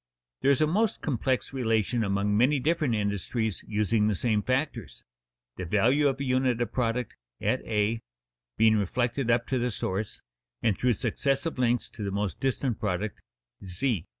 There is a most complex relation among many different industries using the same factors, the value of a unit of product (at a) being reflected up to the source, and through successive links to the most distant product (z).